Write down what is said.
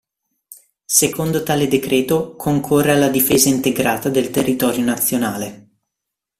Secondo tale decreto "concorre alla difesa integrata del territorio nazionale.